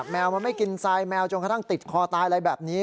แมวมันไม่กินทรายแมวจนกระทั่งติดคอตายอะไรแบบนี้